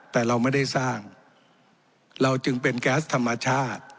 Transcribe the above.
แต่เราไม่ได้สร้างเราจึงเป็นแก๊สธรรมชาติ